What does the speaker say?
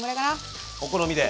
お好みで？